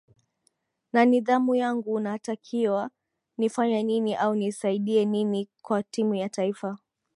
na nidhamu yangu natakiwa nifanye nini au nisaidie nini kwa timu ya taifa